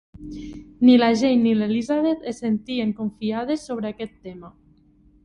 Ni la Jane ni l'Elizabeth es sentien confiades sobre aquest tema.